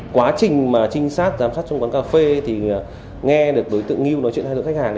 quá trình mà trinh sát giám sát trong quán cà phê thì nghe được đối tượng ngư nói chuyện với hai đối tượng khách hàng